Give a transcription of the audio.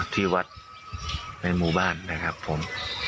ที่วัดในหมู่บ้านนะครับผม